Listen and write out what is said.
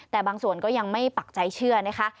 แต่บางส่วนก็ยังไม่ปักใจเชื่อนะคะ